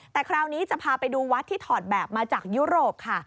แต่คราวนี้จะพาไปดูวัดที่ถอดแบบมาจากยุโรปค่ะ